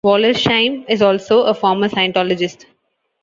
Wollersheim is also a former Scientologist.